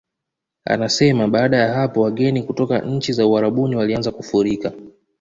Anasema baada ya hapo wageni kutoka nchi za Uarabuni walianza kufurika